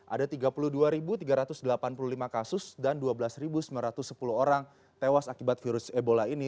ada tiga puluh dua tiga ratus delapan puluh lima kasus dan dua belas sembilan ratus sepuluh orang tewas akibat virus ebola ini